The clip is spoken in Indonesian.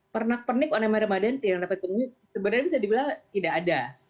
pernak pernik ornamen ramadan yang dapat ditemui sebenarnya bisa dibilang tidak ada